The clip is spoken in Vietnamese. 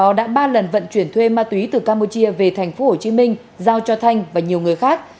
đó đã ba lần vận chuyển thuê ma túy từ campuchia về thành phố hồ chí minh giao cho thanh và nhiều người khác